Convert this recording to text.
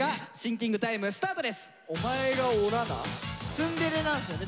ツンデレなんですよね？